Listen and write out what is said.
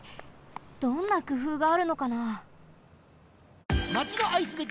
どんなくふうがあるのかな？